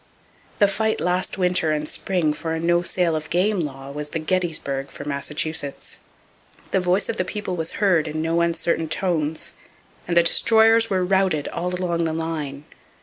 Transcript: The fight last winter and spring for a no sale of game law was the Gettysburg for Massachusetts. The voice of the People was heard in no uncertain tones, and the Destroyers were routed all along the line.